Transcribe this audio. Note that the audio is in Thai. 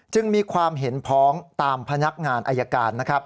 จึงมีความเห็นพ้องตามพนักงานอายการนะครับ